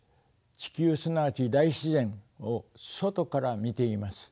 地球すなわち大自然を外から見ています。